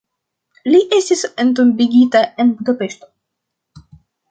Li estis entombigita en Budapeŝto.